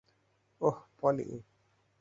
ওহ, পলি।